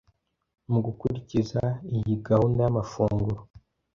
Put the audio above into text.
Mu gukurikiza iyi gahunda y’amafunguro